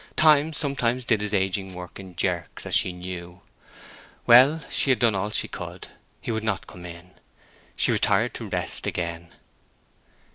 Time sometimes did his ageing work in jerks, as she knew. Well, she had done all she could. He would not come in. She retired to rest again.